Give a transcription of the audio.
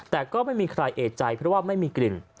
แต่ก็ไม่มีใครเอกใจเพราะว่าไม่มีกลิ่น